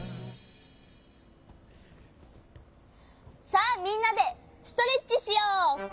さあみんなでストレッチしよう。